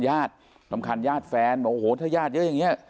ยาดรำคัญญาตย์แฟนบอกโอ้โหถ้ายาดเยอะอย่างเงี้ย